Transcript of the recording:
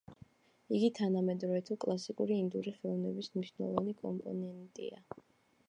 იგი თანამედროვე თუ კლასიკური ინდური ხელოვნების მნიშვნელოვანი კომპონენტია.